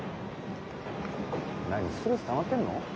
何ストレスたまってんの？